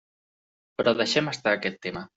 Però deixem estar aquest tema.